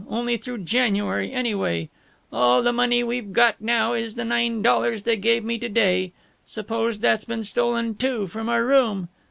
Only through January, anyway. "All the money we've got now is the nine dollars they gave me to day. "Suppose that's been stolen, too, from our room.